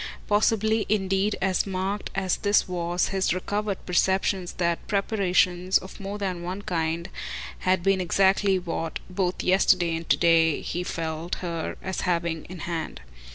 Possibly indeed as marked as this was his recovered perception that preparations, of more than one kind, had been exactly what, both yesterday and to day, he felt her as having in hand.